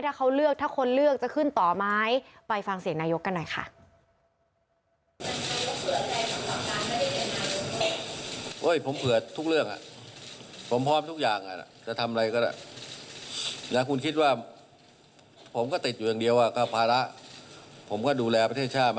ถ้าเขาเลือกถ้าคนเลือกจะขึ้นต่อไหม